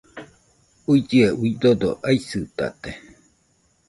uillɨe, udodo aisɨtate